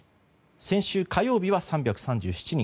先週火曜日は３３７人